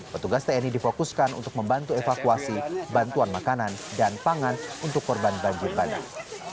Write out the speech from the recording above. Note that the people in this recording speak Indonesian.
petugas tni difokuskan untuk membantu evakuasi bantuan makanan dan pangan untuk korban banjir bandang